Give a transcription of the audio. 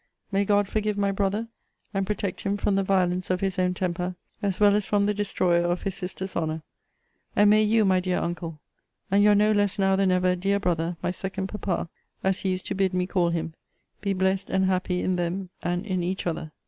May God forgive my brother, and protect him from the violence of his own temper, as well as from the destroyer of his sister's honour! And may you, my dear uncle, and your no less now than ever dear brother, my second papa, as he used to bid me call him, be blessed and happy in them, and in each other!